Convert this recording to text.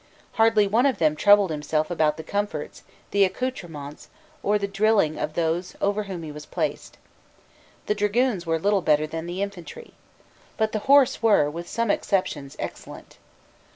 Hardly one of them troubled himself about the comforts, the accoutrements, or the drilling of those over whom he was placed. The dragoons were little better than the infantry. But the horse were, with some exceptions, excellent.